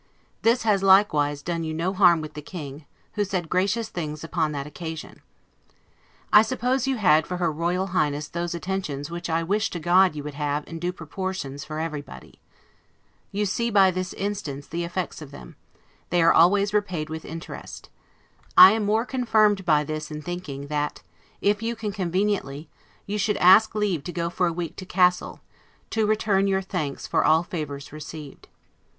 This has likewise done you no harm with the King, who said gracious things upon that occasion. I suppose you had for her Royal Highness those attentions which I wish to God you would have, in due proportions, for everybody. You see, by this instance, the effects of them; they are always repaid with interest. I am more confirmed by this in thinking, that, if you can conveniently, you should ask leave to go for a week to Cassel, to return your thanks for all favors received.